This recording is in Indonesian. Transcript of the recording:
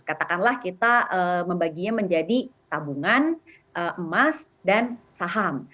katakanlah kita membaginya menjadi tabungan emas dan saham